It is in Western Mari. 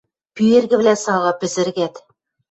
Пӱэргӹвлӓ сага пӹзӹргӓт.